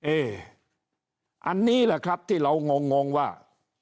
อันนี้แหละครับที่เรางงว่า